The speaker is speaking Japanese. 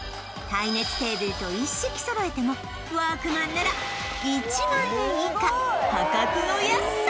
耐熱テーブルと一式揃えてもワークマンなら１万円以下破格の安さ